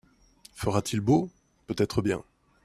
Fera-t-il beau ? Peut être bien.